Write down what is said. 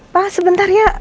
pak sebentar ya